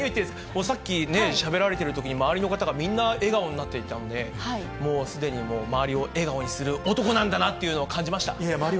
もうさっきね、しゃべられてるときに、周りの方がみんな笑顔になっていたので、もう、すでに周りを笑顔にする男なんだなっていうのを感じました。